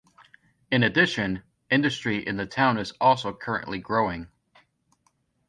In addition, industry in the town is also currently growing.